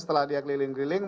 setelah dia keliling keliling